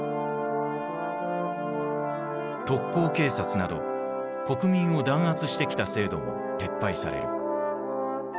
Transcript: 特高警察など国民を弾圧してきた制度も撤廃される。